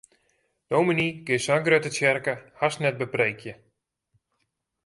Dominy kin sa'n grutte tsjerke hast net bepreekje.